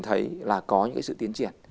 thấy là có những sự tiến triển